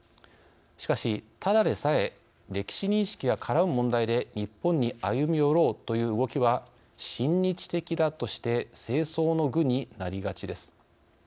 しかし、ただでさえ歴史認識が絡む問題で日本に歩み寄ろうという動きは親日的だとして政争の具になりがちです。